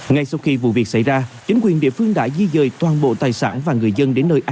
ngay sau khi vụ việc xảy ra chính quyền địa phương đã di dời toàn bộ tài sản và người dân đến nơi an toàn